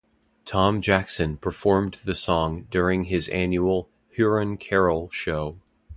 Tom Jackson performed the song during his annual "Huron Carole" show.